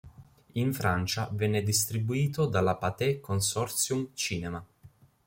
In Francia venne distribuito dalla Pathé Consortium Cinéma.